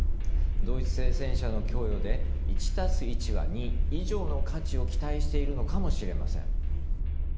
ドイツ製戦車の供与で１＋１＝２以上の価値を期待しているのかもしれません。